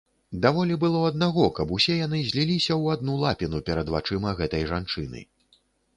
Даволі было аднаго, каб усе яны зліліся ў адну лапіну перад вачыма гэтай жанчыны.